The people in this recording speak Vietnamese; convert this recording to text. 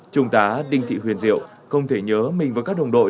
trung tá đinh thị huyền diệu không thể nhớ mình và các đồng đội